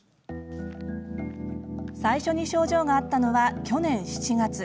最初に症状があったのは去年７月。